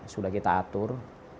sudah kita atur